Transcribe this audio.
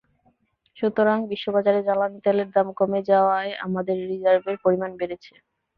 সুতরাং বিশ্ববাজারে জ্বালানি তেলের দাম কমে যাওয়ায় আমাদের রিজার্ভের পরিমাণ বেড়েছে।